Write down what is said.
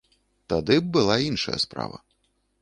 Тады б была іншая справа.